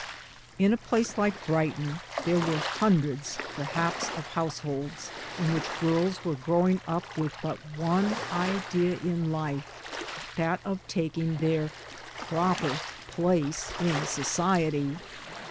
In a place like Brighton there were hundreds, perhaps, of house BRIGHTON. 3'r holds, in which girls were growing 1 up with but one idea in life, that of taking their " proper place in society."